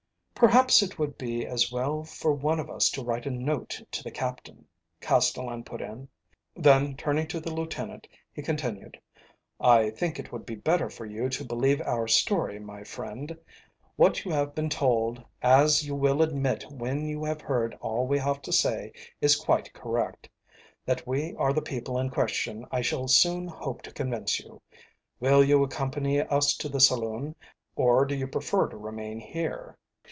"Perhaps it would be as well for one of us to write a note to the Captain," Castellan put in. Then turning to the lieutenant, he continued: "I think it would be better for you to believe our story, my friend. What you have been told, as you will admit when you have heard all we have to say, is quite correct. That we are the people in question I shall soon hope to convince you. Will you accompany us to the saloon, or do you prefer to remain here?"